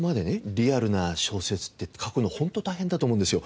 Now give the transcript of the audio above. リアルな小説って書くのホント大変だと思うんですよ。